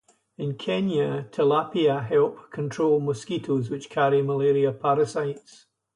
In Kenya, tilapia help control mosquitoes which carry malaria parasites.